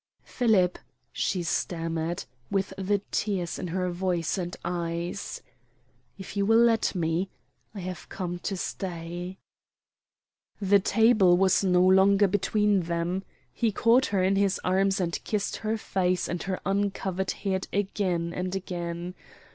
"Philip," she stammered, with the tears in her voice and eyes, "if you will let me I have come to stay." The table was no longer between them. He caught her in his arms and kissed her face and her uncovered head again and again.